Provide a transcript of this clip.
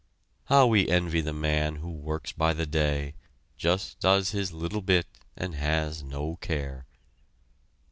How we envy the man who works by the day, just does his little bit, and has no care!